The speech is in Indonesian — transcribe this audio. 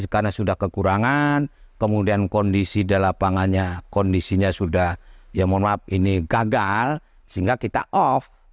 karena sudah kekurangan kemudian kondisi lapangannya sudah gagal sehingga kita off